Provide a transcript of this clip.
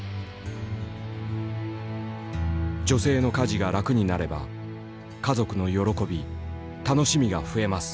「女性の家事が楽になれば家族の喜び楽しみが増えます。